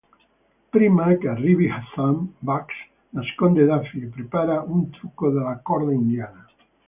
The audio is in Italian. Prima che arrivi Hassan, Bugs nasconde Daffy e prepara un trucco della corda indiana.